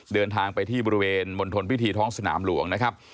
เดินทางไปที่บริเวณมณฑลพิธีท้องสนามหลวงนะครับ